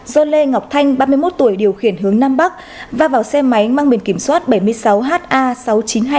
do lê ngọc thanh ba mươi một tuổi điều khiển hướng nam bắc và vào xe máy mang biển kiểm soát bảy mươi sáu ha sáu nghìn chín trăm hai mươi hai